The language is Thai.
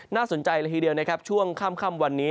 น่าสนใจละทีเดียวช่วงข้ามวันนี้